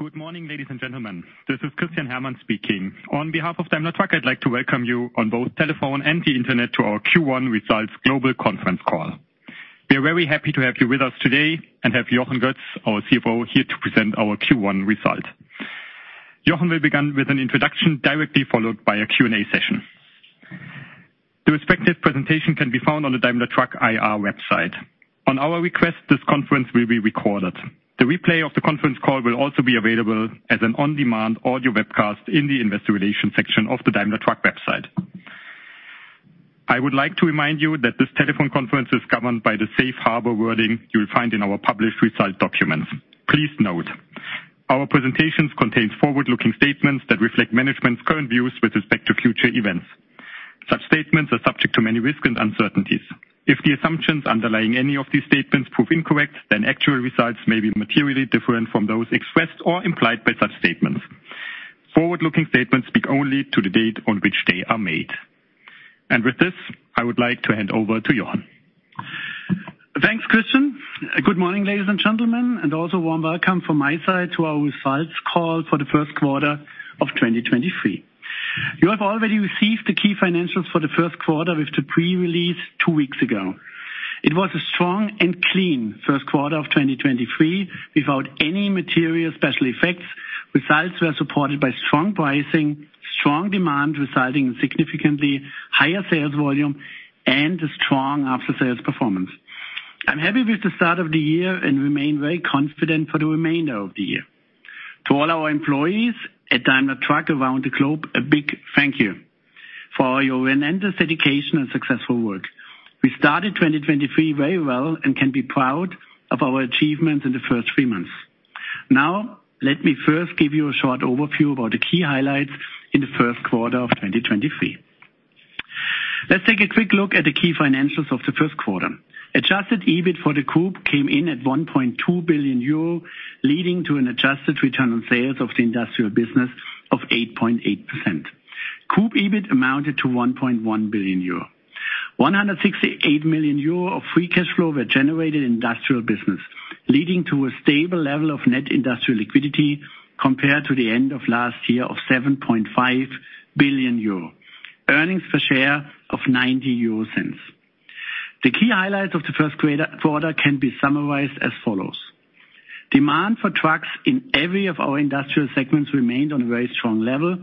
Good morning, ladies and gentlemen. This is Christian Herrmann speaking. On behalf of Daimler Truck, I'd like to welcome you on both telephone and the Internet to our Q1 results global conference call. We are very happy to have you with us today and have Jochen Götz, our CFO, here to present our Q1 result. Jochen will begin with an introduction directly followed by a Q&A session. The respective presentation can be found on the Daimler Truck IR website. On our request, this conference will be recorded. The replay of the conference call will also be available as an on-demand audio webcast in the investor relations section of the Daimler Truck website. I would like to remind you that this telephone conference is governed by the safe harbor wording you'll find in our published result documents. Please note, our presentations contains forward-looking statements that reflect management's current views with respect to future events. Such statements are subject to many risks and uncertainties. If the assumptions underlying any of these statements prove incorrect, then actual results may be materially different from those expressed or implied by such statements. Forward-looking statements speak only to the date on which they are made. With this, I would like to hand over to Jochen. Thanks, Christian. Also warm welcome from my side to our results call for the first quarter of 2023. You have already received the key financials for the first quarter with the pre-release two weeks ago. It was a strong and clean first quarter of 2023 without any material special effects. Results were supported by strong pricing, strong demand, resulting in significantly higher sales volume and a strong after-sales performance. I'm happy with the start of the year and remain very confident for the remainder of the year. To all our employees at Daimler Truck around the globe, a big thank you for your relentless dedication and successful work. We started 2023 very well and can be proud of our achievements in the first three months. Let me first give you a short overview about the key highlights in the first quarter of 2023. Let's take a quick look at the key financials of the first quarter. Adjusted EBIT for the group came in at 1.2 billion euro, leading to an adjusted return on sales of the industrial business of 8.8%. Group EBIT amounted to 1.1 billion euro. 168 million euro of free cash flow were generated in industrial business, leading to a stable level of net industrial liquidity compared to the end of last year of 7.5 billion euro. Earnings per share of 0.90. The key highlights of the first quarter can be summarized as follows. Demand for trucks in every of our industrial segments remained on a very strong level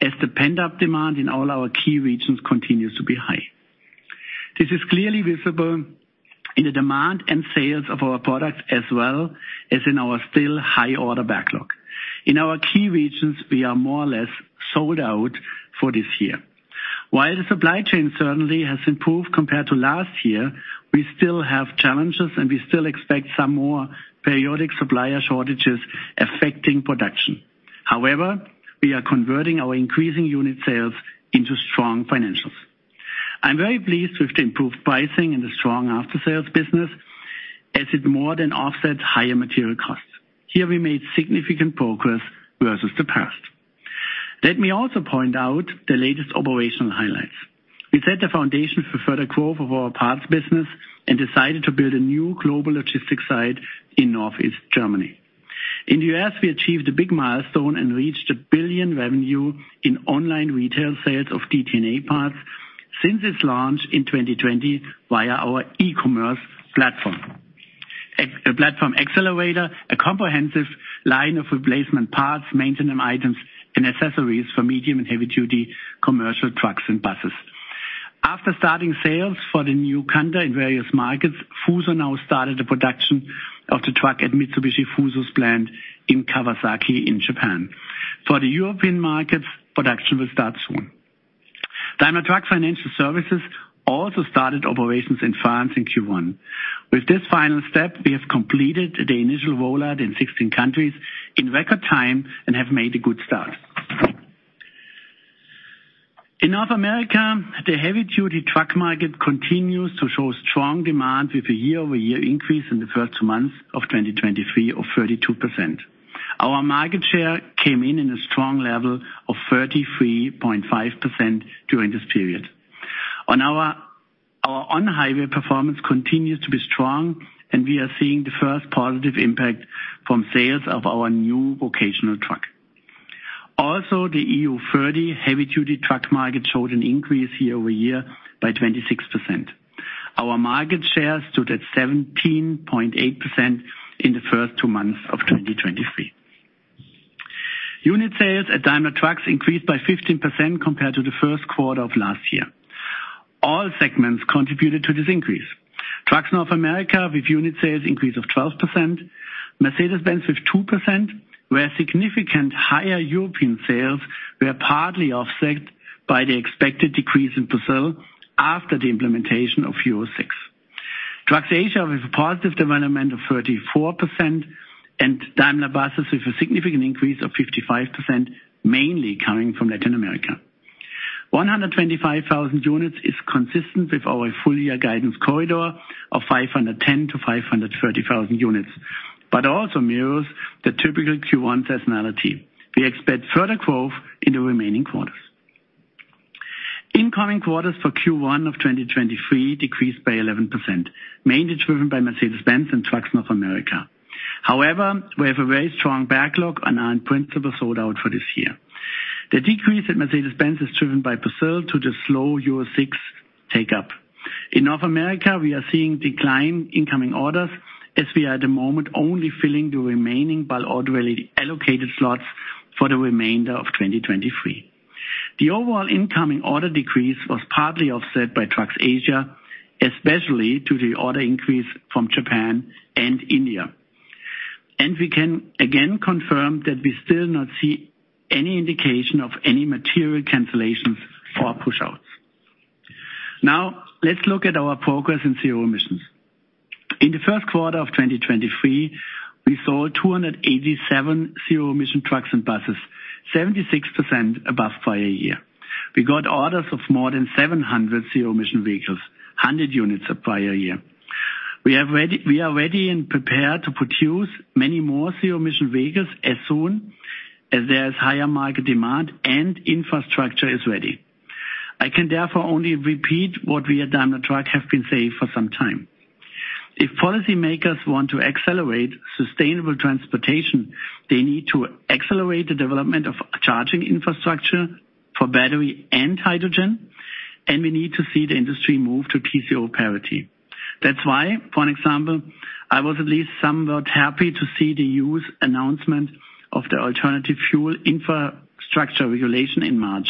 as the pent-up demand in all our key regions continues to be high. This is clearly visible in the demand and sales of our products as well as in our still high order backlog. In our key regions, we are more or less sold out for this year. While the supply chain certainly has improved compared to last year, we still have challenges, and we still expect some more periodic supplier shortages affecting production. However, we are converting our increasing unit sales into strong financials. I'm very pleased with the improved pricing in the strong after-sales business, as it more than offsets higher material costs. Here we made significant progress versus the past. Let me also point out the latest operational highlights. We set the foundation for further growth of our parts business and decided to build a new global logistics site in Northeast Germany. In the US, we achieved a big milestone and reached 1 billion revenue in online retail sales of DTNA parts since its launch in 2020 via our e-commerce platform. Platform Accelerator, a comprehensive line of replacement parts, maintenance items and accessories for medium- and heavy-duty commercial trucks and buses. After starting sales for the new Canter in various markets, FUSO now started the production of the truck at Mitsubishi FUSO's plant in Kawasaki in Japan. For the European markets, production will start soon. Daimler Truck Financial Services also started operations in France in Q1. With this final step, we have completed the initial rollout in 16 countries in record time and have made a good start. In North America, the heavy-duty truck market continues to show strong demand with a year-over-year increase in the first two months of 2023 of 32%. Our market share came in in a strong level of 33.5% during this period. Our on-highway performance continues to be strong, and we are seeing the first positive impact from sales of our new vocational truck. The EU30 heavy-duty truck market showed an increase year-over-year by 26%. Our market share stood at 17.8% in the first two months of 2023. Unit sales at Daimler Truck increased by 15% compared to the first quarter of last year. All segments contributed to this increase. Daimler Trucks North America with unit sales increase of 12%. Mercedes-Benz with 2%, where significant higher European sales were partly offset by the expected decrease in Brazil after the implementation of Euro VI. Trucks Asia with a positive development of 34% and Daimler Buses with a significant increase of 55%, mainly coming from Latin America. 125,000 units is consistent with our full year guidance corridor of 510,000-530,000 units, but also mirrors the typical Q1 seasonality. We expect further growth in the remaining quarters. Incoming quarters for Q1 of 2023 decreased by 11%, mainly driven by Mercedes-Benz and Trucks North America. However, we have a very strong backlog and are in principle sold out for this year. The decrease at Mercedes-Benz is driven by Brazil to the slow Euro VI take up. In North America, we are seeing decline in incoming orders as we are at the moment only filling the remaining but already allocated slots for the remainder of 2023. The overall incoming order decrease was partly offset by Trucks Asia, especially to the order increase from Japan and India. We can again confirm that we still not see any indication of any material cancellations or pushouts. Now, let's look at our progress in zero emissions. In the first quarter of 2023, we sold 287 zero emission trucks and buses, 76% above prior year. We got orders of more than 700 zero emission vehicles, 100 units of prior year. We are ready and prepared to produce many more zero emission vehicles as soon as there is higher market demand and infrastructure is ready. I can therefore only repeat what we at Daimler Truck have been saying for some time. If policy makers want to accelerate sustainable transportation, they need to accelerate the development of charging infrastructure for battery and hydrogen, and we need to see the industry move to TCO parity. That's why, for an example, I was at least somewhat happy to see the E.U.'s announcement of the Alternative Fuels Infrastructure Regulation in March.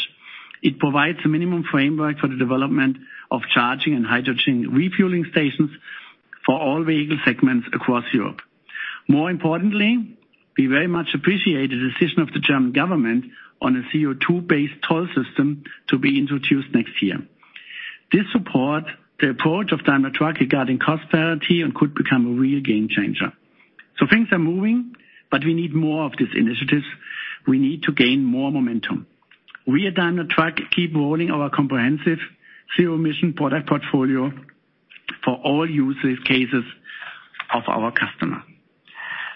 It provides a minimum framework for the development of charging and hydrogen refueling stations for all vehicle segments across Europe. More importantly, we very much appreciate the decision of the German government on a CO2-based toll system to be introduced next year. This support the approach of Daimler Truck regarding cost parity and could become a real game changer. Things are moving, but we need more of these initiatives. We need to gain more momentum. We at Daimler Truck keep rolling our comprehensive zero emission product portfolio for all use cases of our customer.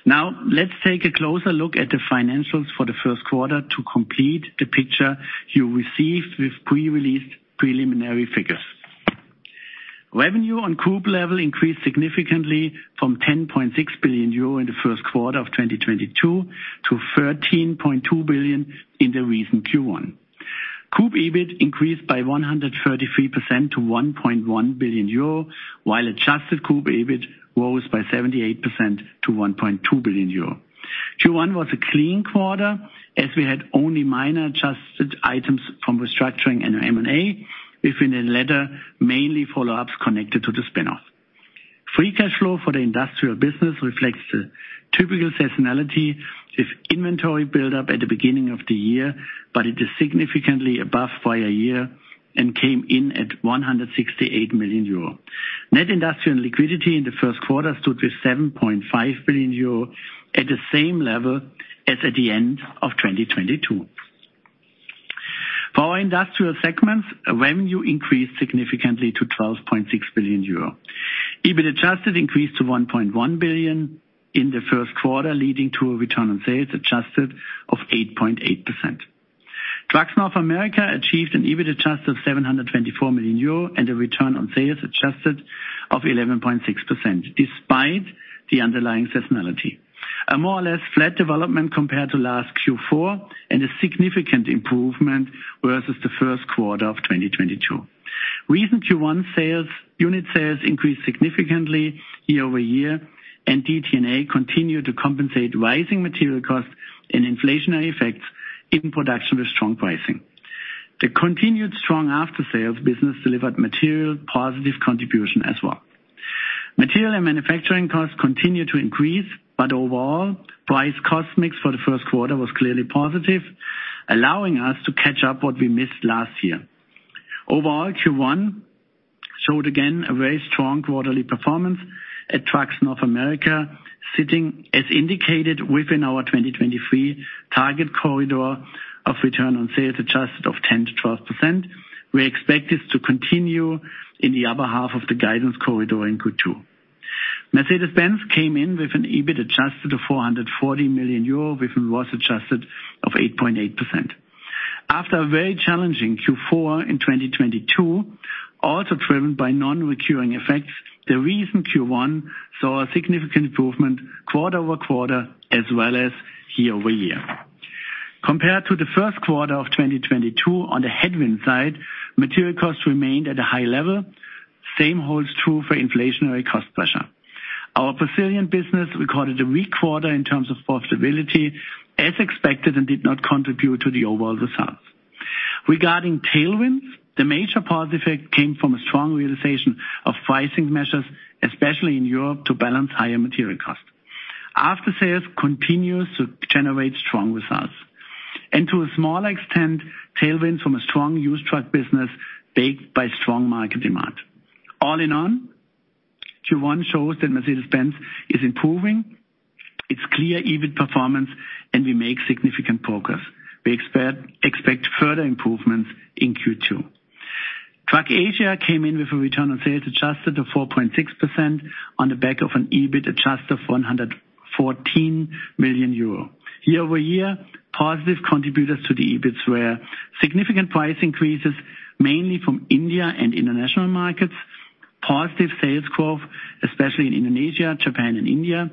Let's take a closer look at the financials for the first quarter to complete the picture you received with pre-released preliminary figures. Revenue on group level increased significantly from 10.6 billion euro in the first quarter of 2022 to 13.2 billion in the recent Q1. Group EBIT increased by 133% to 1.1 billion euro, while adjusted group EBIT rose by 78% to 1.2 billion euro. Q1 was a clean quarter as we had only minor adjusted items from restructuring and M&A, within the latter, mainly follow-ups connected to the spin-off. Free cash flow for the industrial business reflects the typical seasonality with inventory build up at the beginning of the year, but it is significantly above prior year and came in at 168 million euro. Net industrial liquidity in the first quarter stood at 7.5 billion euro at the same level as at the end of 2022. For our industrial segments, revenue increased significantly to 12.6 billion euro. EBIT adjusted increased to 1.1 billion in the first quarter, leading to a return on sales adjusted of 8.8%. Trucks North America achieved an EBIT adjusted of 724 million euro and a return on sales adjusted of 11.6%, despite the underlying seasonality. A more or less flat development compared to last Q4 and a significant improvement versus the first quarter of 2022. Recent Q1 sales, unit sales increased significantly year-over-year. DTNA continued to compensate rising material costs and inflationary effects in production with strong pricing. The continued strong after-sales business delivered material positive contribution as well. Material and manufacturing costs continued to increase. Overall, price cost mix for the first quarter was clearly positive, allowing us to catch up what we missed last year. Overall, Q1 showed again a very strong quarterly performance at Daimler Trucks North America, sitting as indicated within our 2023 target corridor of return on sales adjusted of 10%-12%. We expect this to continue in the upper half of the guidance corridor in Q2. Mercedes-Benz came in with an EBIT adjusted of 440 million euro, with a gross adjusted of 8.8%. After a very challenging Q4 in 2022, also driven by non-recurring effects, the recent Q1 saw a significant improvement quarter-over-quarter as well as year-over-year. Compared to the first quarter of 2022 on the headwind side, material costs remained at a high level. Same holds true for inflationary cost pressure. Our Brazilian business recorded a weak quarter in terms of profitability as expected and did not contribute to the overall results. Regarding tailwinds, the major positive effect came from a strong realization of pricing measures, especially in Europe, to balance higher material costs. After sales continues to generate strong results. To a small extent, tailwinds from a strong used truck business backed by strong market demand. All in all, Q1 shows that Mercedes-Benz is improving its clear EBIT performance and we make significant progress. We expect further improvements in Q2. Truck Asia came in with a return on sales adjusted to 4.6% on the back of an EBIT adjusted of 114 million euro. Year-over-year, positive contributors to the EBITs were significant price increases, mainly from India and international markets, positive sales growth, especially in Indonesia, Japan, and India,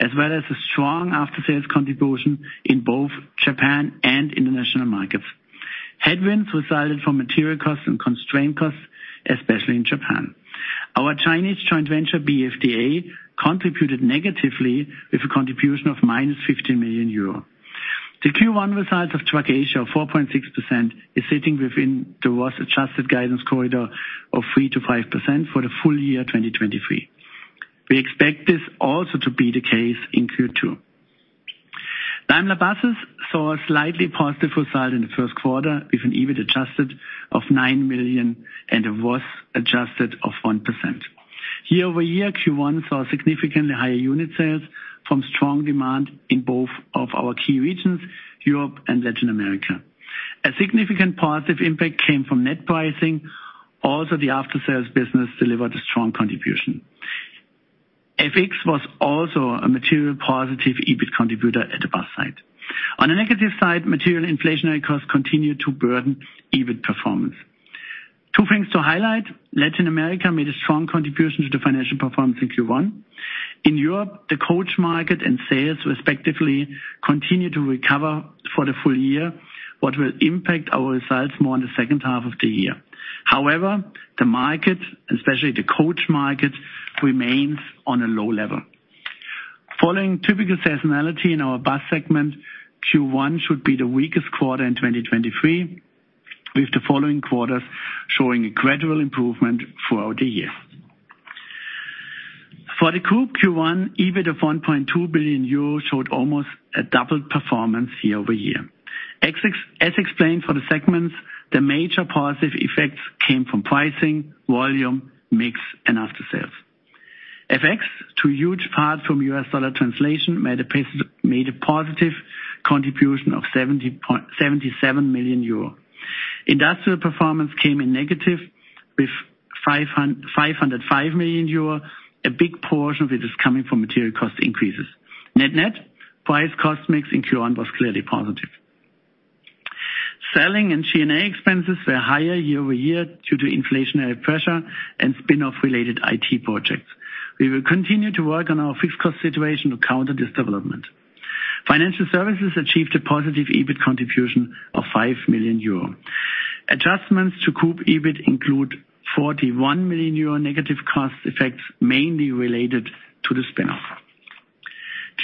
as well as a strong after-sales contribution in both Japan and international markets. Headwinds resulted from material costs and constraint costs, especially in Japan. Our Chinese joint venture, BFDA, contributed negatively with a contribution of minus 15 million euro. The Q1 results of Truck Asia of 4.6% is sitting within the worst adjusted guidance corridor of 3%-5% for the full year, 2023. We expect this also to be the case in Q2. Daimler Buses saw a slightly positive result in the first quarter with an EBIT adjusted of 9 million and a ROAS adjusted of 1%. Year-over-year, Q1 saw significantly higher unit sales from strong demand in both of our key regions, Europe and Latin America. A significant positive impact came from net pricing. The after-sales business delivered a strong contribution. FX was also a material positive EBIT contributor at the bus side. On the negative side, material inflationary costs continued to burden EBIT performance. Two things to highlight. Latin America made a strong contribution to the financial performance in Q1. In Europe, the coach market and sales, respectively, continue to recover for the full year, what will impact our results more in the second half of the year. The market, especially the coach market, remains on a low level. Following typical seasonality in our Bus segment, Q1 should be the weakest quarter in 2023, with the following quarters showing a gradual improvement throughout the year. For the group Q1, EBIT of 1.2 billion euros showed almost a doubled performance year-over-year. As explained for the segments, the major positive effects came from pricing, volume, mix, and after-sales. FX, to a huge part from U.S. dollar translation, made a positive contribution of 77 million euro. Industrial performance came in negative with 505 million euro. A big portion of it is coming from material cost increases. Net-net, price cost mix in Q1 was clearly positive. Selling and G&A expenses were higher year-over-year due to inflationary pressure and spin-off related IT projects. We will continue to work on our fixed cost situation to counter this development. Financial services achieved a positive EBIT contribution of 5 million euro. Adjustments to group EBIT include 41 million euro negative cost effects, mainly related to the spin-off.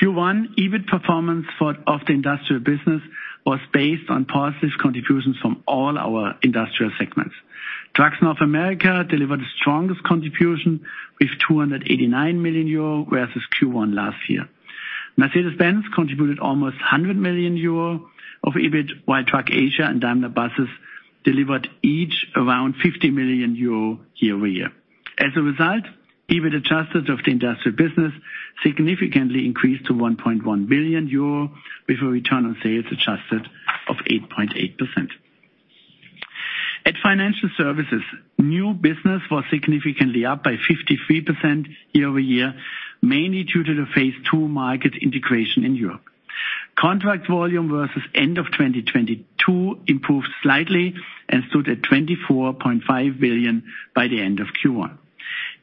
Q1 EBIT performance of the industrial business was based on positive contributions from all our industrial segments. Trucks North America delivered the strongest contribution with 289 million euro, versus Q1 last year. Mercedes-Benz contributed almost 100 million euro of EBIT, while Trucks Asia and Daimler Buses delivered each around 50 million euro year-over-year. As a result, EBIT adjusted of the industrial business significantly increased to 1.1 billion euro, with a return on sales adjusted of 8.8%. At financial services, new business was significantly up by 53% year-over-year, mainly due to the phase two market integration in Europe. Contract volume versus end of 2022 improved slightly and stood at 24.5 billion by the end of Q1.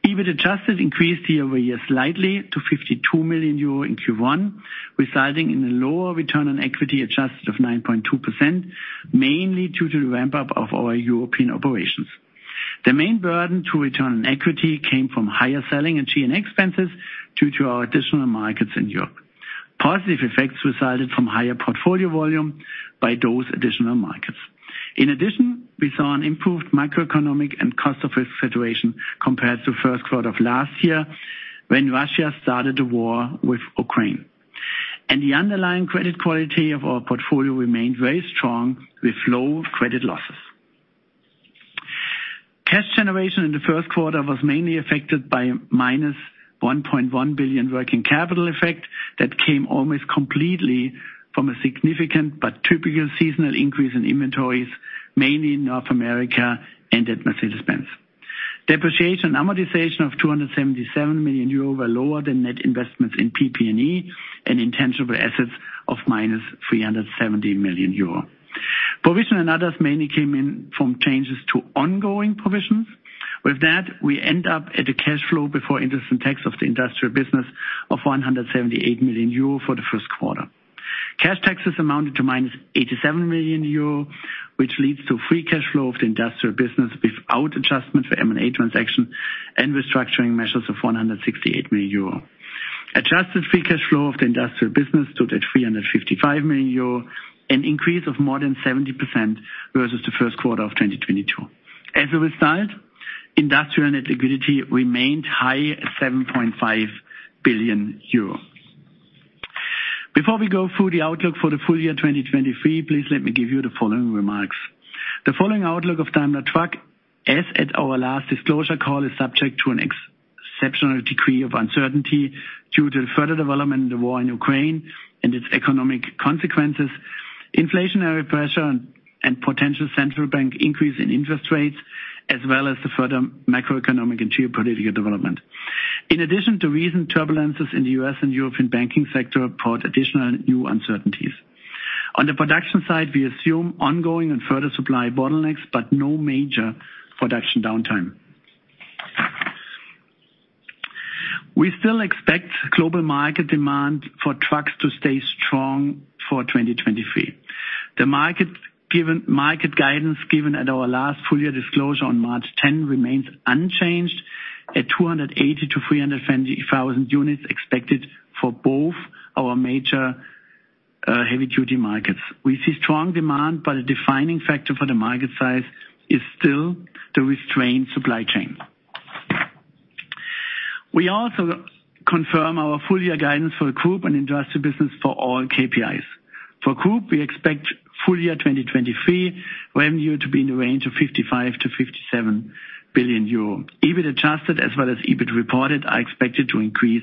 EBIT adjusted increased year-over-year slightly to 52 million euro in Q1, resulting in a lower return on equity adjusted of 9.2%, mainly due to the ramp-up of our European operations. The main burden to return on equity came from higher selling and G&A expenses due to our additional markets in Europe. Positive effects resulted from higher portfolio volume by those additional markets. In addition, we saw an improved macroeconomic and cost of risk evolution compared to first quarter of last year when Russia started the war with Ukraine. The underlying credit quality of our portfolio remained very strong with low credit losses. Cash generation in the first quarter was mainly affected by minus 1.1 billion working capital effect. That came almost completely from a significant, but typical seasonal increase in inventories, mainly in North America and at Mercedes-Benz. Depreciation and amortization of 277 million euro were lower than net investments in PP&E and intangible assets of minus 370 million euro. Provision and others mainly came in from changes to ongoing provisions. We end up at a cash flow before interest and tax of the industrial business of 178 million euro for the first quarter. Cash taxes amounted to minus 87 million euro, which leads to free cash flow of the industrial business without adjustment for M&A transaction and restructuring measures of 168 million euro. Adjusted free cash flow of the industrial business stood at 355 million euro, an increase of more than 70% versus the first quarter of 2022. Industrial net liquidity remained high at 7.5 billion euro. Before we go through the outlook for the full year 2023, please let me give you the following remarks. The following outlook of Daimler Truck, as at our last disclosure call, is subject to an exceptional degree of uncertainty due to further development in the war in Ukraine and its economic consequences, inflationary pressure and potential central bank increase in interest rates, as well as the further macroeconomic and geopolitical development. In addition to recent turbulences in the US and European banking sector brought additional new uncertainties. On the production side, we assume ongoing and further supply bottlenecks, but no major production downtime. We still expect global market demand for trucks to stay strong for 2023. The market given, market guidance given at our last full year disclosure on March 10 remains unchanged at 280,000-370,000 units expected for both our major, heavy duty markets. We see strong demand, but a defining factor for the market size is still the restrained supply chain. We also confirm our full year guidance for the group and industrial business for all KPIs. For group, we expect full year 2023 revenue to be in the range of 55 billion-57 billion euro. EBIT adjusted as well as EBIT reported are expected to increase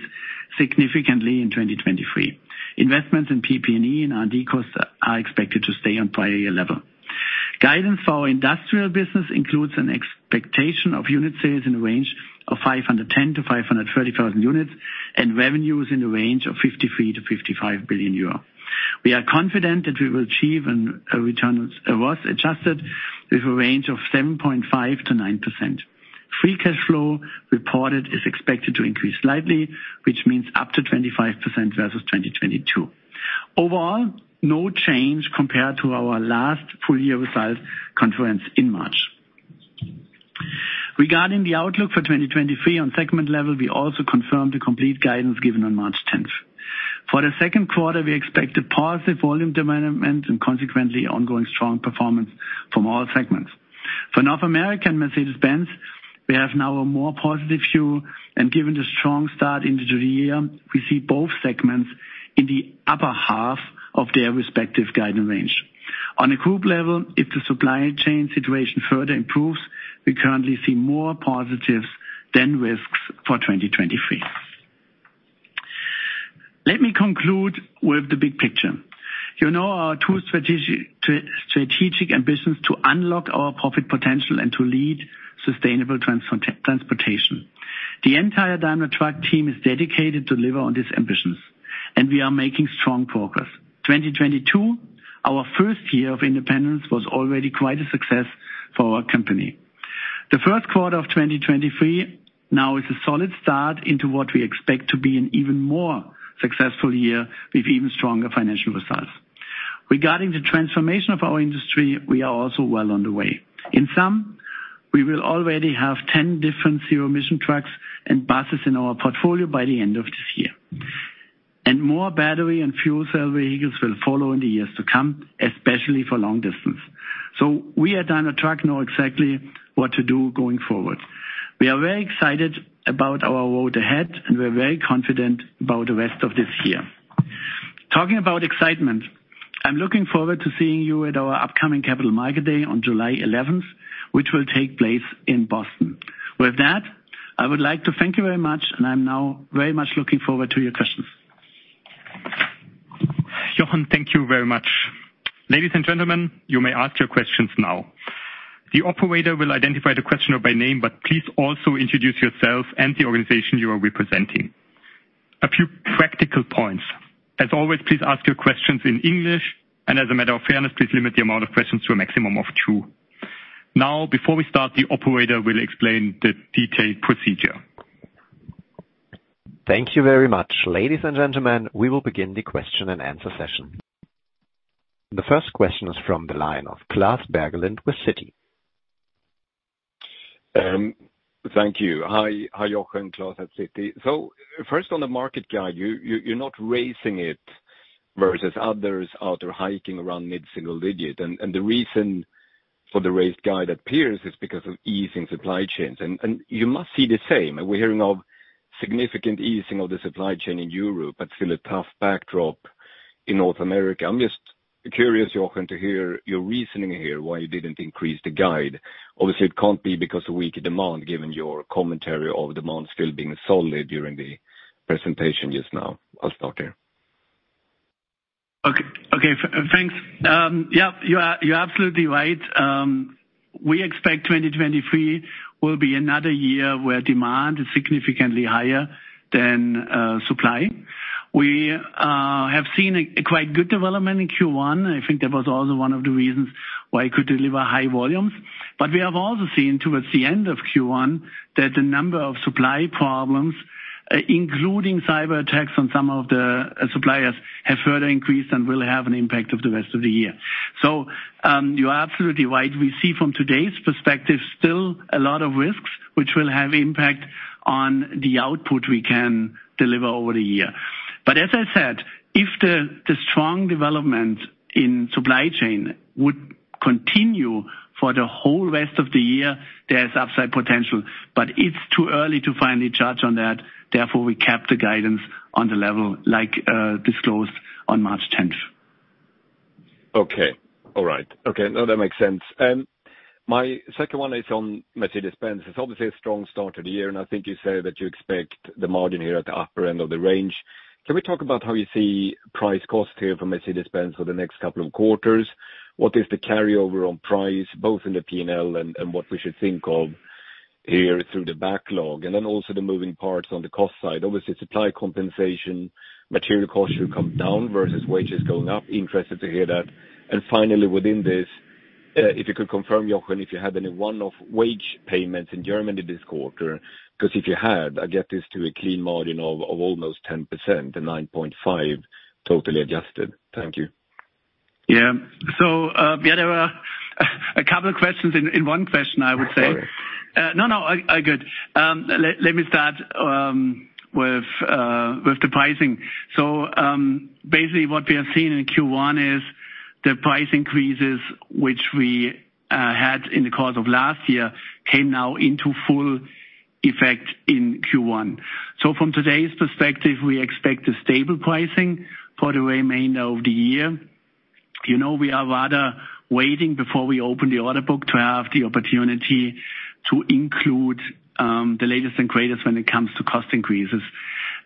significantly in 2023. Investments in PP&E and R&D costs are expected to stay on prior year level. Guidance for our industrial business includes an expectation of unit sales in the range of 510,000-530,000 units, and revenues in the range of 53 billion-55 billion euro. We are confident that we will achieve a return on sales adjusted with a range of 7.5%-9%. Free cash flow reported is expected to increase slightly, which means up to 25% versus 2022. No change compared to our last full year results conference in March. Regarding the outlook for 2023 on segment level, we also confirmed the complete guidance given on March 10th. For the second quarter, we expect a positive volume development and consequently ongoing strong performance from all segments. For North American Mercedes-Benz, we have now a more positive view. Given the strong start into the year, we see both segments in the upper half of their respective guidance range. On a group level, if the supply chain situation further improves, we currently see more positives than risks for 2023. Let me conclude with the big picture. You know our two strategic ambitions to unlock our profit potential and to lead sustainable transportation. The entire Daimler Truck team is dedicated to deliver on these ambitions. We are making strong progress. 2022, our first year of independence, was already quite a success for our company. The first quarter of 2023 now is a solid start into what we expect to be an even more successful year with even stronger financial results. Regarding the transformation of our industry, we are also well on the way. In sum, we will already have 10 different zero emission trucks and buses in our portfolio by the end of this year. More battery and fuel cell vehicles will follow in the years to come, especially for long distance. We at Daimler Truck know exactly what to do going forward. We are very excited about our road ahead, and we're very confident about the rest of this year. Talking about excitement, I'm looking forward to seeing you at our upcoming Capital Market Day on July eleventh, which will take place in Boston. With that, I would like to thank you very much, and I'm now very much looking forward to your questions. Jochen, thank you very much. Ladies and gentlemen, you may ask your questions now. The operator will identify the questioner by name, but please also introduce yourself and the organization you are representing. A few practical points. As always, please ask your questions in English, and as a matter of fairness, please limit the amount of questions to a maximum of two. Before we start, the operator will explain the detailed procedure. Thank you very much. Ladies and gentlemen, we will begin the question and answer session. The first question is from the line of Klas Bergelind with Citi. Hi, Jochen. Klas at Citi. So first on the market guide, you're not raising it versus others out there hiking around mid-single-digit. The reason for the raised guide appears is because of easing supply chains. You must see the same. We're hearing of significant easing of the supply chain in Europe, but still a tough backdrop in North America. I'm just curious, Jochen, to hear your reasoning here why you didn't increase the guide. Obviously, it can't be because of weak demand, given your commentary of demand still being solid during the presentation just now. I'll stop there. Okay, thanks. Yeah, you are absolutely right. We expect 2023 will be another year where demand is significantly higher than supply. We have seen a quite good development in Q1. I think that was also one of the reasons why you could deliver high volumes. We have also seen towards the end of Q1 that the number of supply problems, including cyberattacks on some of the suppliers, have further increased and will have an impact of the rest of the year. You are absolutely right. We see from today's perspective still a lot of risks which will have impact on the output we can deliver over the year. As I said, if the strong development in supply chain would continue for the whole rest of the year, there's upside potential. It's too early to finally judge on that. Therefore, we kept the guidance on the level like disclosed on March 10th. Okay. All right. Okay. No, that makes sense. My second one is on Mercedes-Benz. It's obviously a strong start to the year, and I think you said that you expect the margin here at the upper end of the range. Can we talk about how you see price cost here for Mercedes-Benz for the next couple of quarters? What is the carryover on price, both in the P&L and what we should think of here through the backlog? Then also the moving parts on the cost side. Obviously, supply compensation, material costs should come down versus wages going up. Interested to hear that. Finally, within this, if you could confirm, Jochen, if you had any one-off wage payments in Germany this quarter, because if you had, I get this to a clean margin of almost 10%-9.5%, totally adjusted. Thank you. Yeah. We had a couple of questions in one question, I would say. Sorry. No, no, good. Let me start with the pricing. Basically what we are seeing in Q1 is the price increases which we had in the course of last year came now into full effect in Q1. From today's perspective, we expect a stable pricing for the remainder of the year. You know, we are rather waiting before we open the order book to have the opportunity to include the latest and greatest when it comes to cost increases.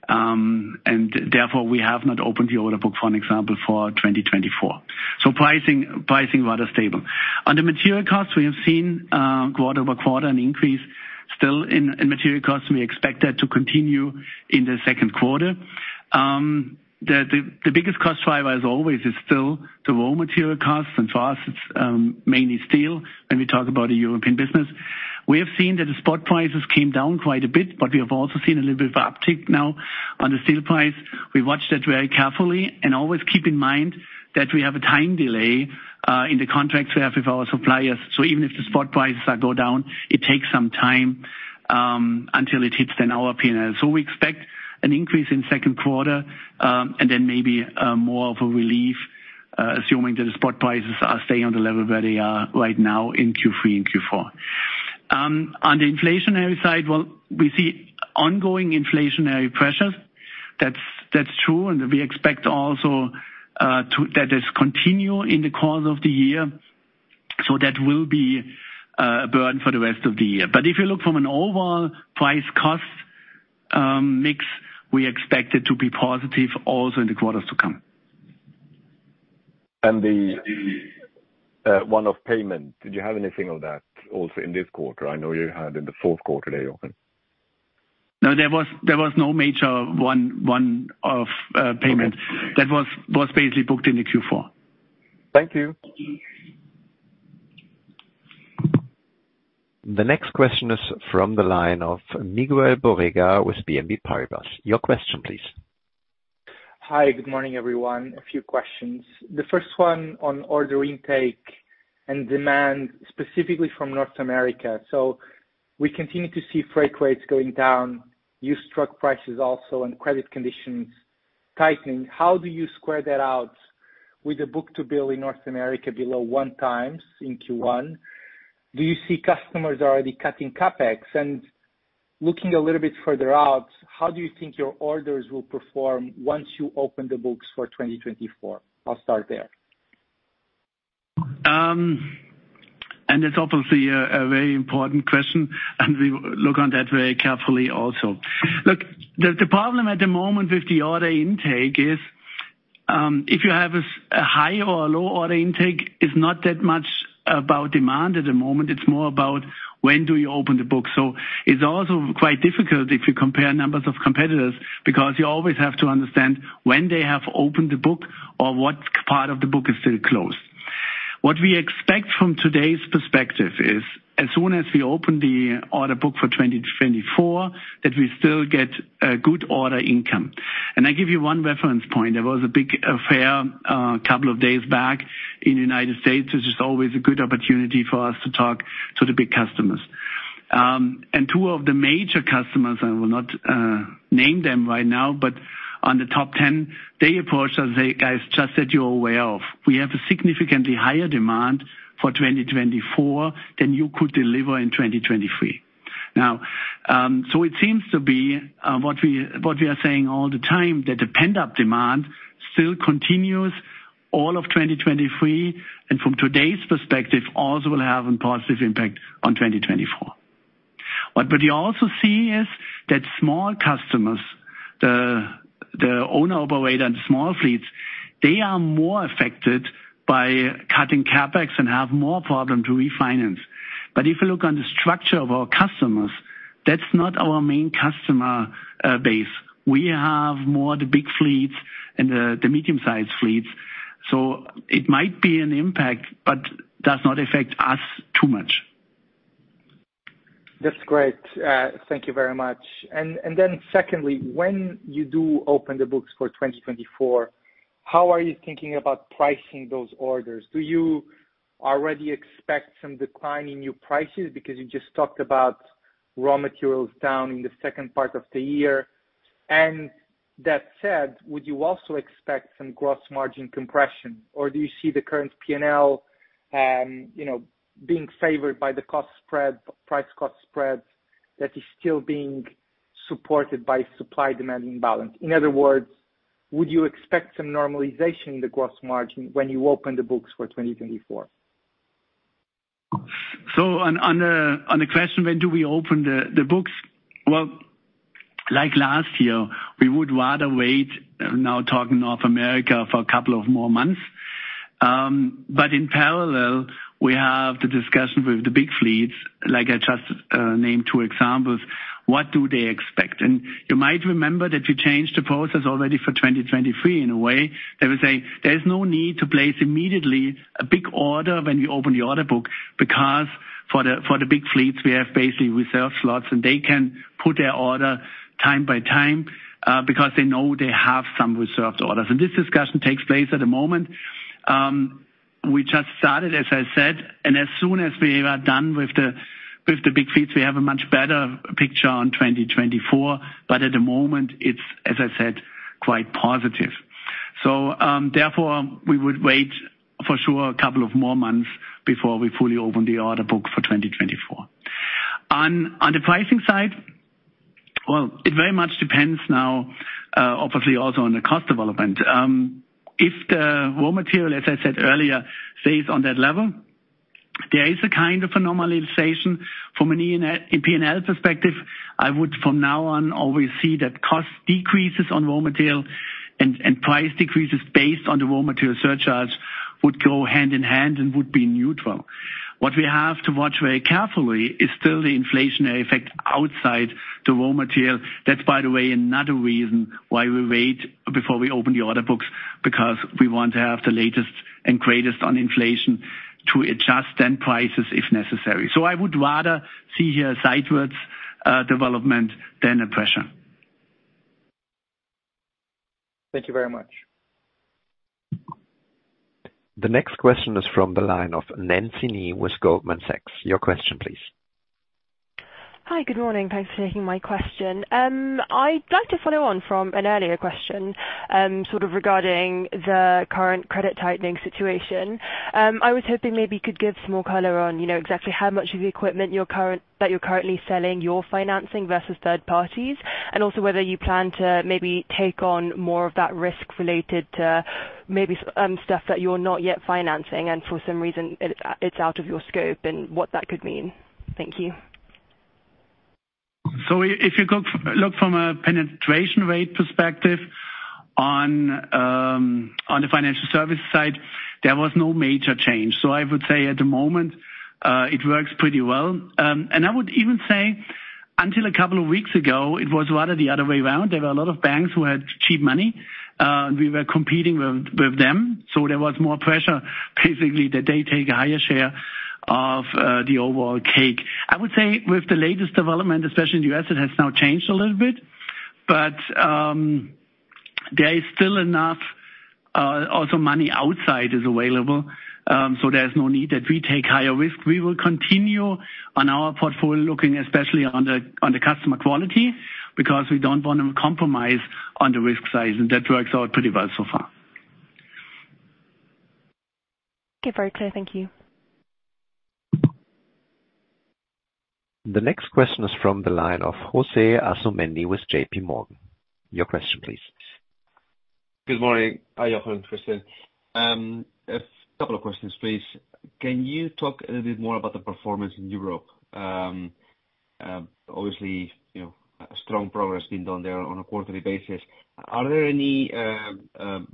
Therefore, we have not opened the order book, for an example, for 2024. Pricing rather stable. On the material costs, we have seen quarter-over-quarter an increase still in material costs. We expect that to continue in the second quarter. The biggest cost driver, as always, is still the raw material costs. For us, it's mainly steel when we talk about the European business. We have seen that the spot prices came down quite a bit, but we have also seen a little bit of uptick now on the steel price. We watch that very carefully and always keep in mind that we have a time delay in the contracts we have with our suppliers. Even if the spot prices are go down, it takes some time until it hits then our P&L. We expect an increase in second quarter, and then maybe more of a relief, assuming that the spot prices are staying on the level where they are right now in Q3 and Q4. On the inflationary side, well, we see ongoing inflationary pressures. That's true, we expect also, that is continue in the course of the year. That will be a burden for the rest of the year. If you look from an overall price cost mix, we expect it to be positive also in the quarters to come. The one-off payment, did you have anything on that also in this quarter? I know you had in the fourth quarter, Jochen. No, there was no major one-off payment. Okay. That was basically booked in the Q4. Thank you. The next question is from the line of Miguel Borrega with BNP Paribas. Your question please. Hi. Good morning, everyone. A few questions. The first one on order intake and demand, specifically from North America. We continue to see freight rates going down, used truck prices also, and credit conditions tightening. How do you square that out with the book-to-bill in North America below one times in Q1? Do you see customers already cutting CapEx? Looking a little bit further out, how do you think your orders will perform once you open the books for 2024? I'll start there. It's obviously a very important question, and we look on that very carefully also. Look, the problem at the moment with the order intake is, if you have a high or a low order intake, it's not that much about demand at the moment. It's more about when do you open the book. It's also quite difficult if you compare numbers of competitors, because you always have to understand when they have opened the book or what part of the book is still closed. What we expect from today's perspective is as soon as we open the order book for 2024, that we still get a good order income. I give you one reference point. There was a big affair a couple of days back in the United States, which is always a good opportunity for us to talk to the big customers. Two of the major customers, I will not name them right now, but on the top 10, they approached us. They guys just said, "You're way off. We have a significantly higher demand for 2024 than you could deliver in 2023." Now, it seems to be what we are saying all the time, that the pent-up demand still continues all of 2023, and from today's perspective also will have a positive impact on 2024. What we also see is that small customers, the owner operator and small fleets, they are more affected by cutting CapEx and have more problem to refinance. If you look on the structure of our customers, that's not our main customer, base. We have more the big fleets and the medium-sized fleets. It might be an impact, but does not affect us too much. That's great. Thank you very much. Then secondly, when you do open the books for 2024, how are you thinking about pricing those orders? Do you already expect some decline in your prices? Because you just talked about raw materials down in the second part of the year. That said, would you also expect some gross margin compression, or do you see the current P&L, you know, being favored by the cost spread, price cost spread that is still being supported by supply-demand imbalance. In other words, would you expect some normalization in the gross margin when you open the books for 2024? On the question, when do we open the books? Like last year, we would rather wait, now talking North America, for a couple of more months. But in parallel, we have the discussion with the big fleets, like I just named two examples, what do they expect? You might remember that we changed the process already for 2023 in a way that we say there's no need to place immediately a big order when you open the order book, because for the big fleets, we have basically reserved slots, and they can put their order time by time, because they know they have some reserved orders. This discussion takes place at the moment, we just started, as I said, and as soon as we are done with the big fleets, we have a much better picture on 2024. At the moment it's, as I said, quite positive. Therefore, we would wait for sure, a couple of more months before we fully open the order book for 2024. On the pricing side, well, it very much depends now, obviously also on the cost development. If the raw material, as I said earlier, stays on that level, there is a kind of a normalization from a P&L perspective, I would from now on always see that cost decreases on raw material and price decreases based on the raw material surcharge would go hand in hand and would be neutral. What we have to watch very carefully is still the inflationary effect outside the raw material. That's by the way, another reason why we wait before we open the order books, because we want to have the latest and greatest on inflation to adjust then prices if necessary. I would rather see here sidewards development than a pressure. Thank you very much. The next question is from the line of Nancy Wei with Goldman Sachs. Your question please. Hi. Good morning. Thanks for taking my question. I'd like to follow on from an earlier question, sort of regarding the current credit tightening situation. I was hoping maybe you could give some more color on, you know, exactly how much of the equipment That you're currently selling, you're financing versus third parties. Also whether you plan to maybe take on more of that risk related to maybe, stuff that you're not yet financing and for some reason it's out of your scope and what that could mean. Thank you. If you look from a penetration rate perspective on the financial service side, there was no major change. I would say at the moment, it works pretty well. I would even say until a couple of weeks ago, it was rather the other way around. There were a lot of banks who had cheap money, and we were competing with them. There was more pressure basically that they take a higher share of the overall cake. I would say with the latest development, especially in the U.S., it has now changed a little bit. There is still enough also money outside is available. There's no need that we take higher risk. We will continue on our portfolio looking especially on the customer quality because we don't wanna compromise on the risk size. That works out pretty well so far. Okay. Very clear. Thank you. The next question is from the line of José Asumendi with J.P. Morgan. Your question please. Good morning. Hi, Jochen and Christian. A couple of questions, please. Can you talk a little bit more about the performance in Europe? Obviously, you know, strong progress being done there on a quarterly basis. Are there any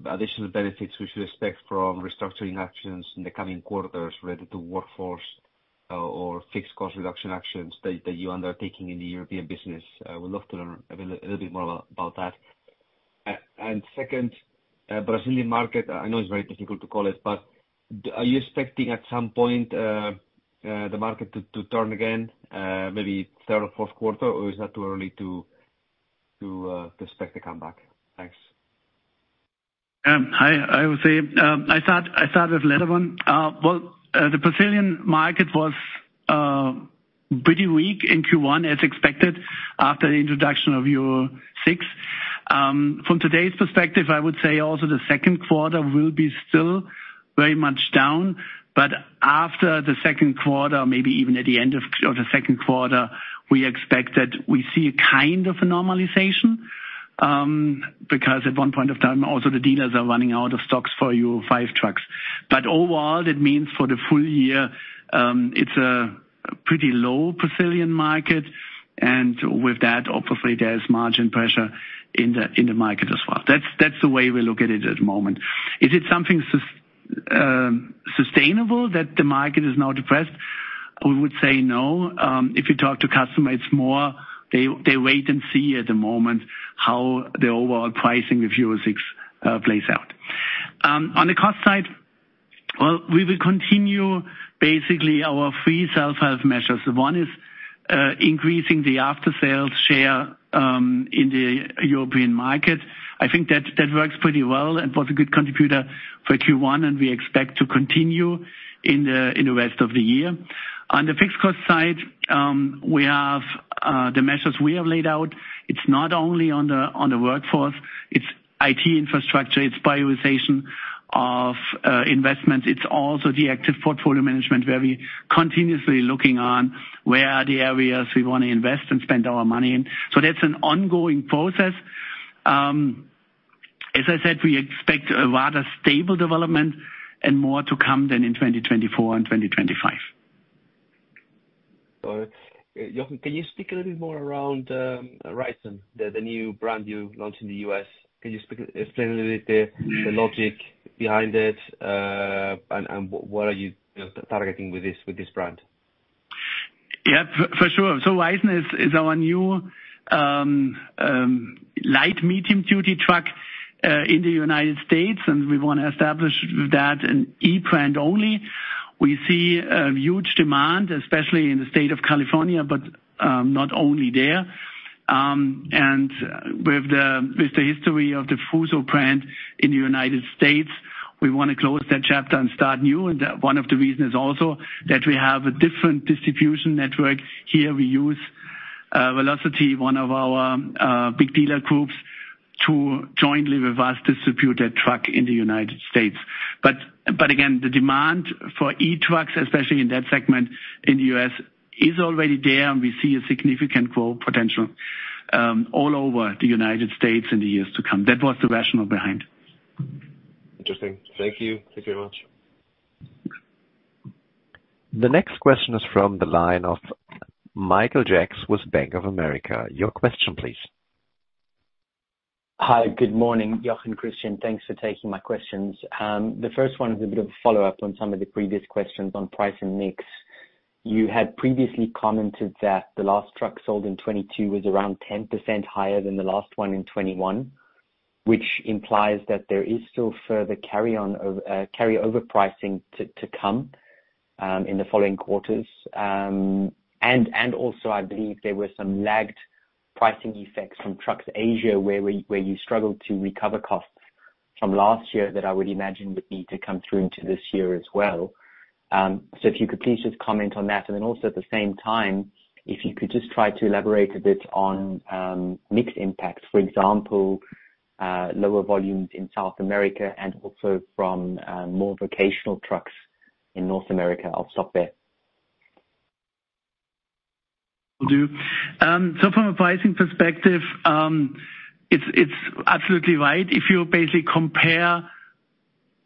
additional benefits we should expect from restructuring actions in the coming quarters related to workforce or fixed cost reduction actions that you are undertaking in the European business? Would love to learn a little bit more about that. Second, Brazilian market, I know it's very difficult to call it, but are you expecting at some point the market to turn again, maybe third or fourth quarter, or is that too early to expect a comeback? Thanks. Hi José, I start with latter one. Well, the Brazilian market was pretty weak in Q1 as expected after the introduction of Euro VI. From today's perspective, I would say also the second quarter will be still very much down. After the second quarter, maybe even at the end of, or the second quarter, we expect that we see a kind of a normalization because at one point of time, also the dealers are running out of stocks for Euro V trucks. Overall, that means for the full year, it's a pretty low Brazilian market, and with that, obviously there's margin pressure in the market as well. That's the way we look at it at the moment. Is it something sustainable that the market is now depressed? We would say no. If you talk to customers more, they wait and see at the moment how the overall pricing of Euro VI plays out. On the cost side, well, we will continue basically our three self-help measures. One is increasing the after-sales share in the European market. I think that works pretty well and was a good contributor for Q1, and we expect to continue in the rest of the year. On the fixed cost side, we have the measures we have laid out. It's not only on the workforce, it's IT infrastructure, it's prioritization of investment. It's also the active portfolio management where we continuously looking on where are the areas we wanna invest and spend our money in. That's an ongoing process. As I said, we expect a rather stable development and more to come than in 2024 and 2025. Jochen, can you speak a little bit more around RIZON, the new brand you launched in the U.S.? Can you explain a little bit the logic behind it, and what are you know, targeting with this brand? Yeah. For sure. RIZON is our new light medium-duty truck in the United States, and we wanna establish that an e-brand only. We see a huge demand, especially in the state of California, but not only there. With the history of the FUSO brand in the United States, we wanna close that chapter and start new. One of the reasons also that we have a different distribution network here. We use Velocity, one of our big dealer groups, to jointly with us distribute that truck in the United States. But again, the demand for e-trucks, especially in that segment in the U.S., is already there, and we see a significant growth potential all over the United States in the years to come. That was the rationale behind. Interesting. Thank you. Thank you very much. The next question is from the line of Michael Jacks with Bank of America. Your question please. Hi. Good morning, Jochen, Christian. Thanks for taking my questions. The first one is a bit of a follow-up on some of the previous questions on price and mix. You had previously commented that the last truck sold in 2022 was around 10% higher than the last one in 2021, which implies that there is still further carryover pricing to come in the following quarters. Also I believe there were some lagged pricing effects from Trucks Asia where we, where you struggled to recover costs from last year that I would imagine would need to come through into this year as well. If you could please just comment on that. Also at the same time, if you could just try to elaborate a bit on mix impacts, for example, lower volumes in South America and also from more vocational trucks in North America. I'll stop there. Will do. From a pricing perspective, it's absolutely right. If you basically compare,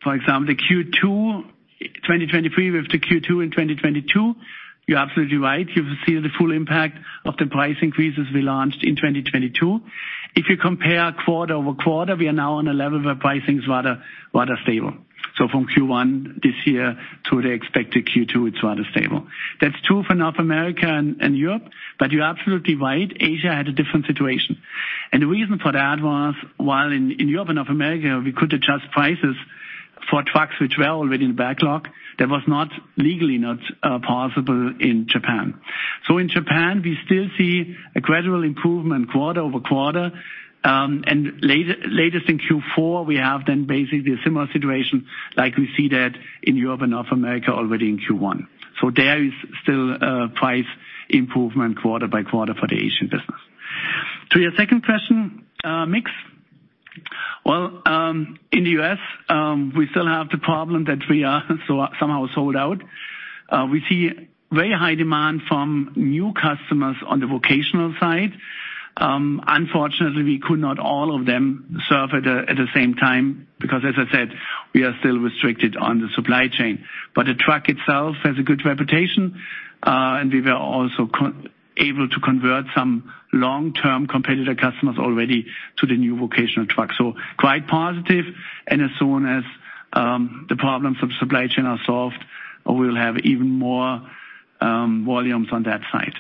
for example, the Q2 2023 with the Q2 in 2022, you're absolutely right. You will see the full impact of the price increases we launched in 2022. If you compare quarter over quarter, we are now on a level where pricing is rather stable. From Q1 this year to the expected Q2, it's rather stable. That's true for North America and Europe, you're absolutely right, Asia had a different situation. The reason for that was, while in Europe and North America we could adjust prices for trucks which were already in backlog, that was legally not possible in Japan. In Japan, we still see a gradual improvement quarter over quarter. And latest in Q4, we have basically a similar situation like we see that in Europe and North America already in Q1. There is still price improvement quarter by quarter for the Asian business. To your second question, mix. Well, in the U.S., we still have the problem that we are somehow sold out. We see very high demand from new customers on the vocational side. Unfortunately, we could not all of them serve at the same time because, as I said, we are still restricted on the supply chain. The truck itself has a good reputation, and we were also able to convert some long-term competitor customers already to the new vocational truck. Quite positive, and as soon as the problems of supply chain are solved, we'll have even more volumes on that side.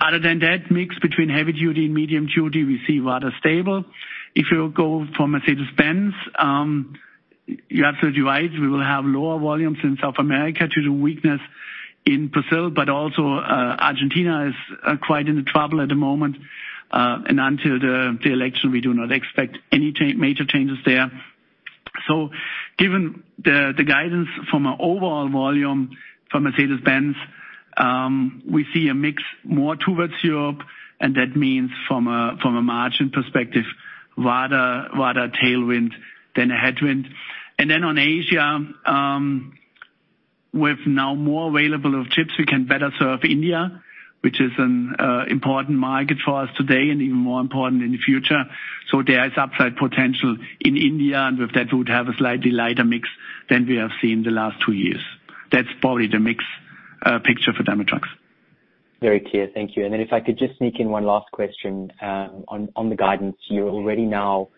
Other than that, mix between heavy duty and medium duty, we see rather stable. If you go for Mercedes-Benz, you're absolutely right, we will have lower volumes in South America due to weakness in Brazil, but also Argentina is quite in trouble at the moment. Until the election, we do not expect any major changes there. Given the guidance from an overall volume for Mercedes-Benz, we see a mix more towards Europe, and that means from a margin perspective, rather tailwind than a headwind. On Asia, with now more available of chips, we can better serve India, which is an important market for us today and even more important in the future. There is upside potential in India, with that we would have a slightly lighter mix than we have seen the last two years. That's probably the mix picture for Daimler Truck. Very clear. Thank you. If I could just sneak in one last question, on the guidance. You're already now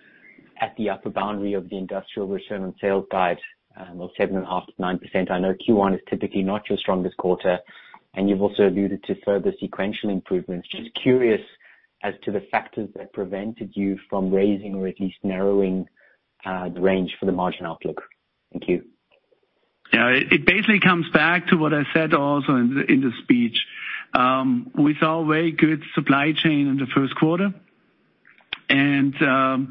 at the upper boundary of the industrial Return on Sales guide, of 7.5%-9%. I know Q1 is typically not your strongest quarter, and you've also alluded to further sequential improvements. Just curious as to the factors that prevented you from raising or at least narrowing the range for the margin outlook. Thank you. Yeah. It basically comes back to what I said also in the speech. We saw very good supply chain in the first quarter and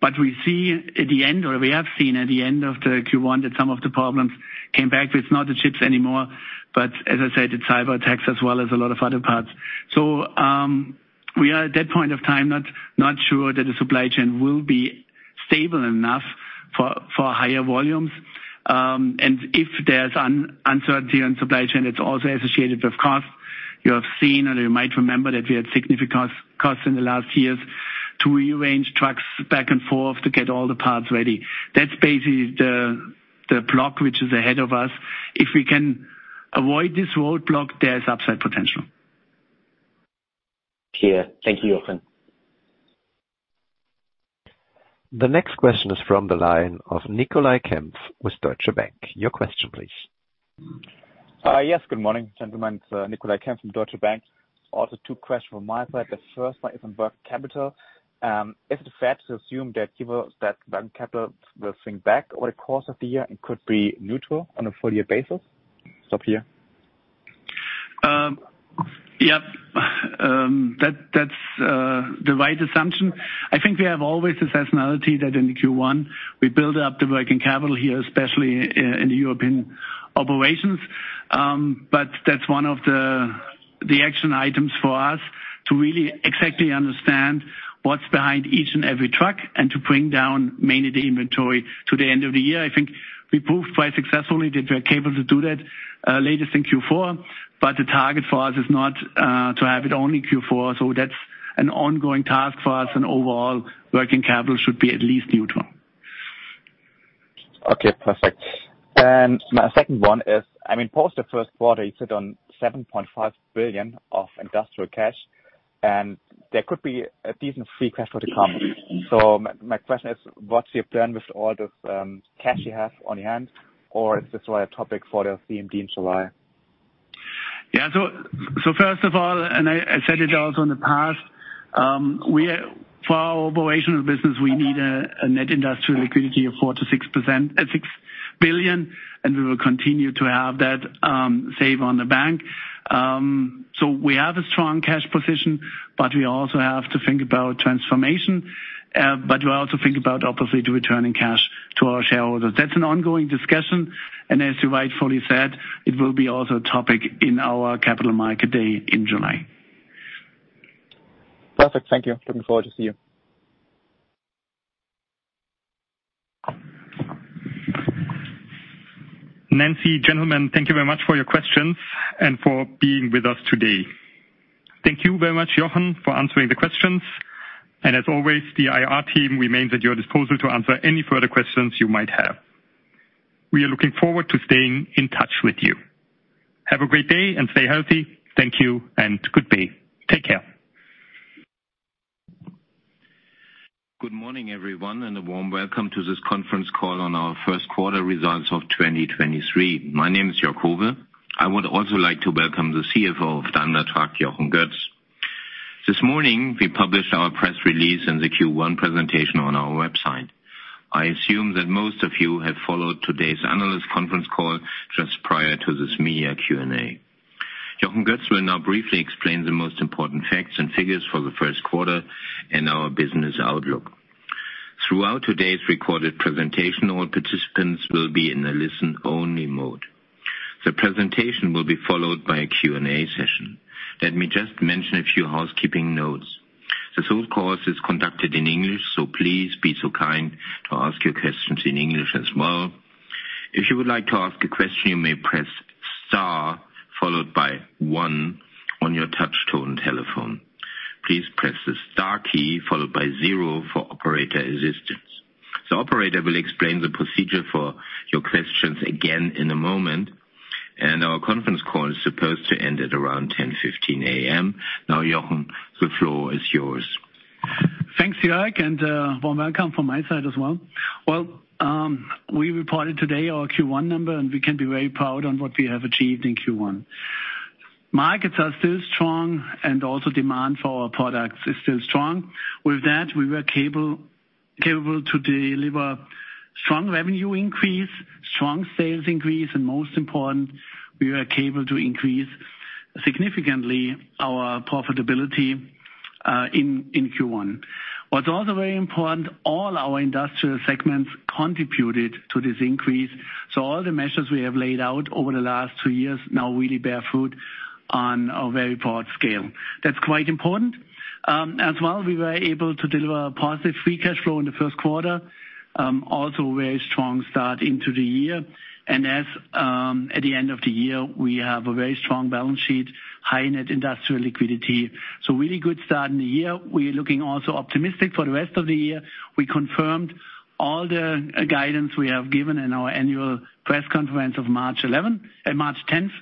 but we see at the end, or we have seen at the end of the Q1, that some of the problems came back. It's not the chips anymore, but as I said, it's cyberattacks as well as a lot of other parts. We are at that point of time not sure that the supply chain will be stable enough for higher volumes. If there's uncertainty on supply chain, it's also associated with cost. You have seen, or you might remember, that we had significant costs in the last years to rearrange trucks back and forth to get all the parts ready. That's basically the block which is ahead of us. If we can avoid this roadblock, there is upside potential. Clear. Thank you, Jochen. The next question is from the line of Nicolai Kempf with Deutsche Bank. Your question, please. Yes. Good morning, gentlemen. It's Nicolai Kempf from Deutsche Bank. Also two question from my side. The first one is on working capital. Is it fair to assume that working capital will swing back over the course of the year and could be neutral on a full year basis? Stop here. Yep. That's the right assumption. I think we have always the seasonality that in Q1 we build up the working capital here, especially in European operations. That's one of the action items for us to really exactly understand what's behind each and every truck and to bring down mainly the inventory to the end of the year. I think we proved quite successfully that we are able to do that, latest in Q4, but the target for us is not to have it only Q4. That's an ongoing task for us and overall working capital should be at least neutral. Okay, perfect. My second one is, I mean, post the first quarter, you sit on 7.5 billion of industrial cash, and there could be a decent free cash flow to come. My question is, what's your plan with all this cash you have on hand, or is this a topic for the CMD in July? First of all, and I said it also in the past, for our operational business, we need a net industrial liquidity of 4%-6%, 6 billion, and we will continue to have that save on the bank. We have a strong cash position, but we also have to think about transformation. We also think about obviously returning cash to our shareholders. That's an ongoing discussion, and as you rightfully said, it will be also a topic in our Capital Market Day in July. Perfect. Thank you. Looking forward to see you. Nancy, gentlemen, thank you very much for your questions and for being with us today. Thank you very much, Jochen, for answering the questions. As always, the IR team remains at your disposal to answer any further questions you might have. We are looking forward to staying in touch with you. Have a great day and stay healthy. Thank you and goodbye. Take care. Good morning, everyone, and a warm welcome to this conference call on our first quarter results of 2023. My name is Jörg Howe. I would also like to welcome the CFO of Daimler Truck, Jochen Götz. This morning, we published our press release and the Q1 presentation on our website. I assume that most of you have followed today's analyst conference call just prior to this media Q&A. Jochen Götz will now briefly explain the most important facts and figures for the first quarter and our business outlook. Throughout today's recorded presentation, all participants will be in a listen-only mode. The presentation will be followed by a Q&A session. Let me just mention a few housekeeping notes. This whole call is conducted in English, so please be so kind to ask your questions in English as well. If you would like to ask a question, you may press star followed by 1 on your touch tone telephone. Please press the star key followed by 0 for operator assistance. The operator will explain the procedure for your questions again in a moment. Our conference call is supposed to end at around 10:15 A.M. Now, Jochen, the floor is yours. Thanks, Jörg, warm welcome from my side as well. We reported today our Q1 number, and we can be very proud on what we have achieved in Q1. Markets are still strong and also demand for our products is still strong. With that, we were capable to deliver strong revenue increase, strong sales increase, and most important, we were able to increase significantly our profitability in Q1. What's also very important, all our industrial segments contributed to this increase. All the measures we have laid out over the last two years now really bear fruit on a very broad scale. That's quite important. As well, we were able to deliver a positive free cash flow in the first quarter. Also a very strong start into the year. At the end of the year, we have a very strong balance sheet, high net industrial liquidity. Really good start in the year. We're looking also optimistic for the rest of the year. We confirmed all the guidance we have given in our annual press conference of March 11, March 10.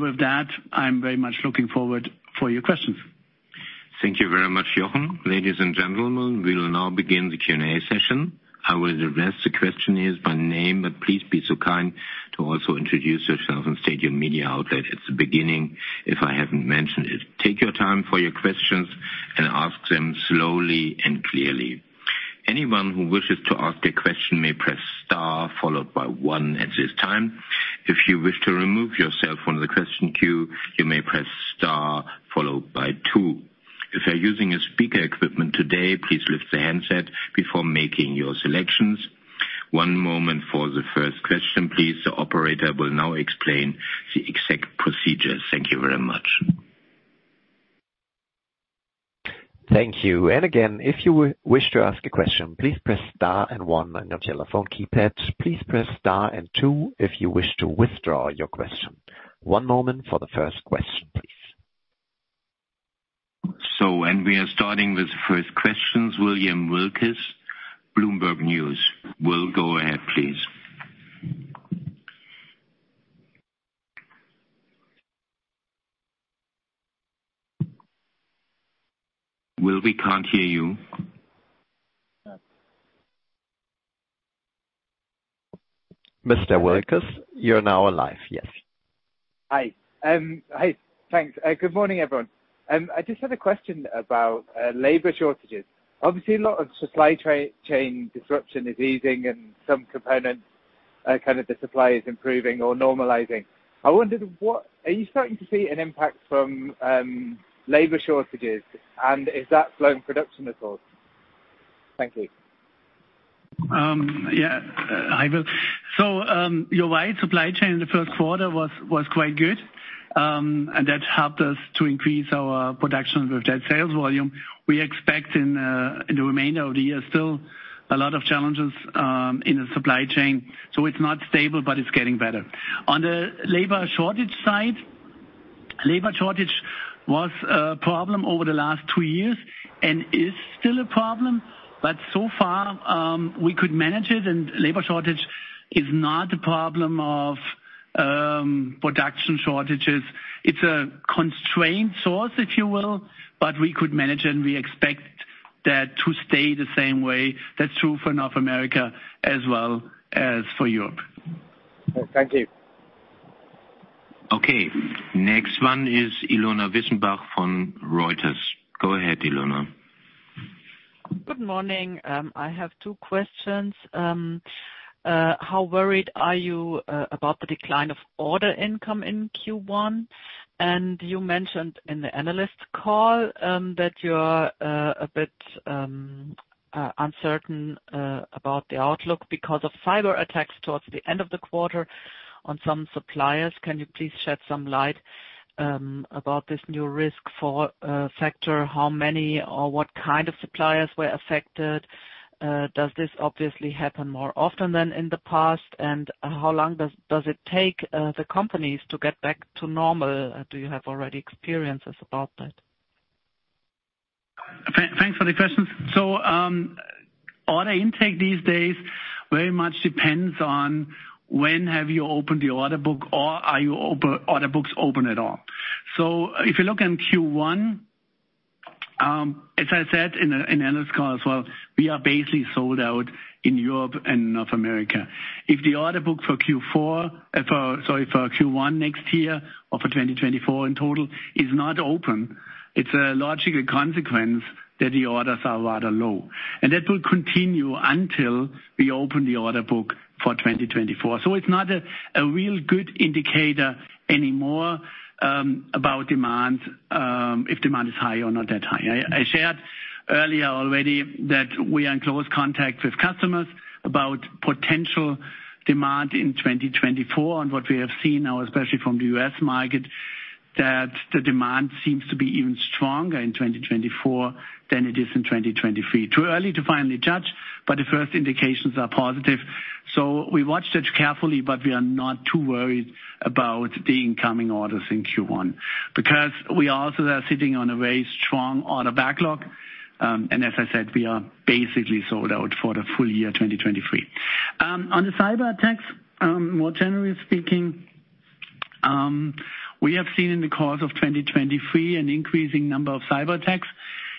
With that, I'm very much looking forward for your questions. Thank you very much, Jochen. Ladies and gentlemen, we will now begin the Q&A session. I will address the questioners by name, but please be so kind to also introduce yourself and state your media outlet at the beginning if I haven't mentioned it. Take your time for your questions and ask them slowly and clearly. Anyone who wishes to ask a question may press star followed by one at this time. If you wish to remove yourself from the question queue, you may press star followed by two. If you're using your speaker equipment today, please lift the handset before making your selections. One moment for the first question, please. The operator will now explain the exact procedure. Thank you very much. Thank you. Again, if you wish to ask a question, please press star and 1 on your telephone keypad. Please press star and 2 if you wish to withdraw your question. One moment for the first question, please. We are starting with the first questions. William Wilkes, Bloomberg News. Will, go ahead, please. Will, we can't hear you. Mr. Wilkes, you're now live. Yes. Hi. Hi. Thanks. Good morning, everyone. I just had a question about labor shortages. Obviously, a lot of supply chain disruption is easing and some components, kind of the supply is improving or normalizing. I wondered, are you starting to see an impact from labor shortages, and is that slowing production at all? Thank you. Yeah. I will. You're right, supply chain in the first quarter was quite good, and that helped us to increase our production with that sales volume. We expect in the remainder of the year, still a lot of challenges in the supply chain. It's not stable, but it's getting better. On the labor shortage side, labor shortage was a problem over the last two years and is still a problem, but so far, we could manage it and labor shortage is not a problem of production shortages. It's a constraint source, if you will, but we could manage it and we expect that to stay the same way. That's true for North America as well as for Europe. Thank you. Okay, next one is Ilona Wissenbach from Reuters. Go ahead, Ilona. Good morning. I have two questions. How worried are you about the decline of order income in Q1? You mentioned in the analyst call that you are a bit uncertain about the outlook because of cyberattacks towards the end of the quarter on some suppliers. Can you please shed some light about this new risk factor? How many or what kind of suppliers were affected? Does this obviously happen more often than in the past? How long does it take the companies to get back to normal? Do you have already experiences about that? Thanks for the questions. Order intake these days very much depends on when have you opened the order book or are order books open at all. If you look in Q1, as I said in analyst call as well, we are basically sold out in Europe and North America. If the order book for Q4, for Q1 next year or for 2024 in total is not open, it's a logical consequence that the orders are rather low. That will continue until we open the order book for 2024. It's not a real good indicator anymore about demand, if demand is high or not that high. I shared earlier already that we are in close contact with customers about potential demand in 2024. What we have seen now, especially from the U.S. market, that the demand seems to be even stronger in 2024 than it is in 2023. Too early to finally judge, but the first indications are positive. We watch that carefully, but we are not too worried about the incoming orders in Q1, because we also are sitting on a very strong order backlog. As I said, we are basically sold out for the full year, 2023. On the cyberattacks, more generally speaking, we have seen in the course of 2023 an increasing number of cyberattacks.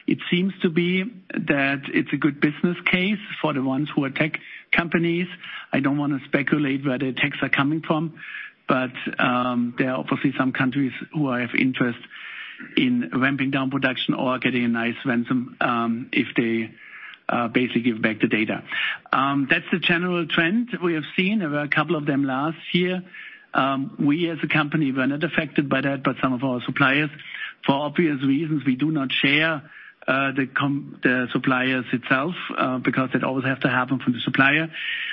It seems to be that it's a good business case for the ones who are tech companies. I don't want to speculate where the attacks are coming from, there are obviously some countries who have interest in ramping down production or getting a nice ransom if they basically give back the data. That's the general trend we have seen. There were a couple of them last year. We as a company were not affected by that, but some of our suppliers. For obvious reasons, we do not share the suppliers itself because it always have to happen from the supplier.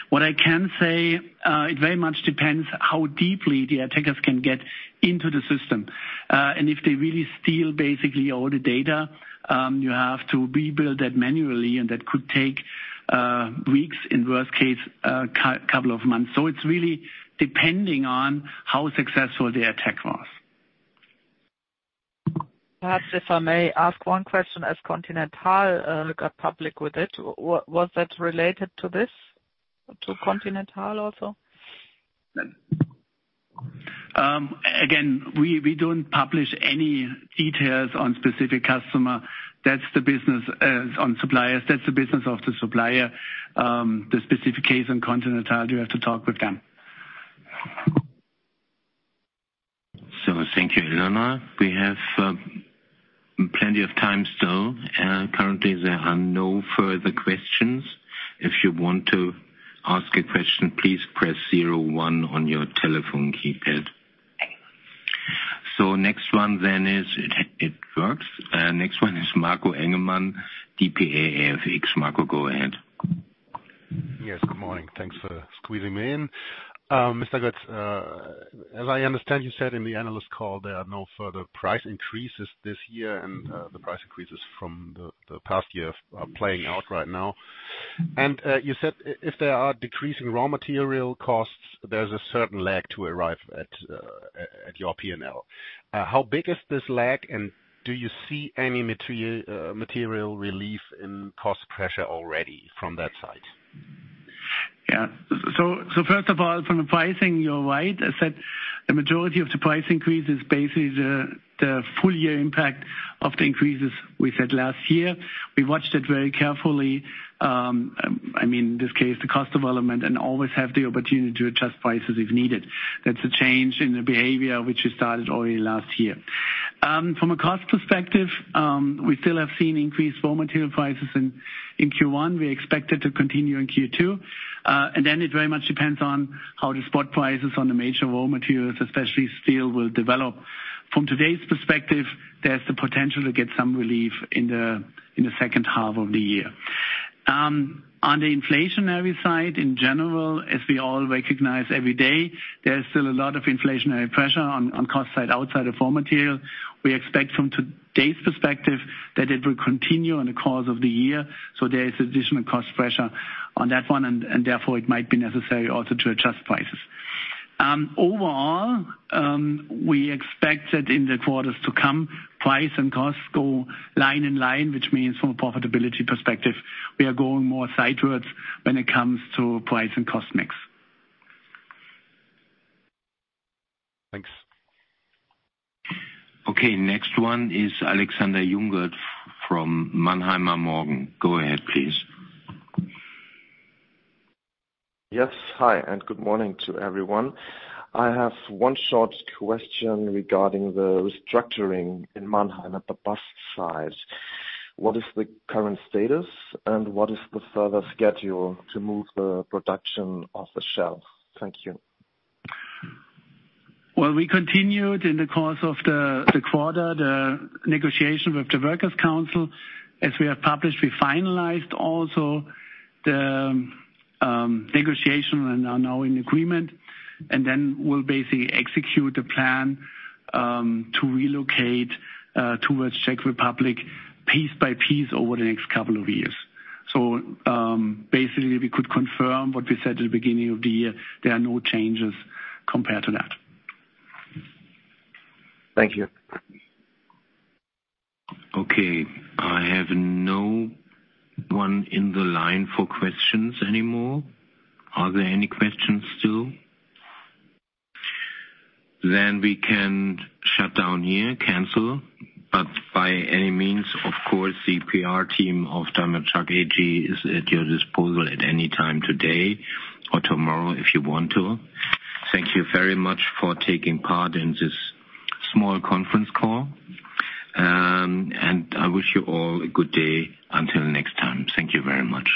What I can say, it very much depends how deeply the attackers can get into the system. And if they really steal basically all the data, you have to rebuild that manually, and that could take weeks, in worst case, a couple of months. It's really depending on how successful the attack was. Perhaps, if I may ask one question, as Continental got public with it, was that related to this, to Continental also? Again, we don't publish any details on specific customer. That's the business, on suppliers. That's the business of the supplier. The specific case on Continental, you have to talk with them. Thank you, Ilona. We have plenty of time still. Currently there are no further questions. If you want to ask a question, please press 01 on your telephone keypad. Next one then is, it works. Next one is Marco Engemann, dpa-AFX. Marco, go ahead. Yes. Good morning. Thanks for squeezing me in. Mr. Götz, as I understand, you said in the analyst call there are no further price increases this year, and the price increases from the past year are playing out right now. You said if there are decreasing raw material costs, there's a certain lag to arrive at your P&L. How big is this lag, and do you see any material relief in cost pressure already from that side? Yeah. First of all, from the pricing, you're right. I said the majority of the price increase is basically the full year impact of the increases we set last year. We watched it very carefully. I mean, in this case, the cost development, and always have the opportunity to adjust prices if needed. That's a change in the behavior which we started already last year. From a cost perspective, we still have seen increased raw material prices in Q1. We expect it to continue in Q2. Then it very much depends on how the spot prices on the major raw materials, especially steel, will develop. From today's perspective, there's the potential to get some relief in the second half of the year. On the inflationary side, in general, as we all recognize every day, there's still a lot of inflationary pressure on cost side outside of raw material. We expect from today's perspective that it will continue in the course of the year. There is additional cost pressure on that one. Therefore it might be necessary also to adjust prices. Overall, we expect that in the quarters to come, price and costs go line in line, which means from a profitability perspective, we are going more sidewards when it comes to price and cost mix. Thanks. Okay. Next one is Alexander Jungert from Mannheimer Morgen. Go ahead, please. Yes. Hi, and good morning to everyone. I have one short question regarding the restructuring in Mannheim at the bus side. What is the current status, and what is the further schedule to move the production off the shelf? Thank you. Well, we continued in the course of the quarter, the negotiation with the workers council. As we have published, we finalized also the negotiation and are now in agreement. We'll basically execute the plan to relocate towards Czech Republic piece by piece over the next couple of years. Basically, we could confirm what we said at the beginning of the year. There are no changes compared to that. Thank you. Okay. I have no one in the line for questions anymore. Are there any questions still? We can shut down here, cancel. By any means, of course, the PR team of Daimler Truck AG is at your disposal at any time today or tomorrow if you want to. Thank you very much for taking part in this small conference call. I wish you all a good day until next time. Thank you very much.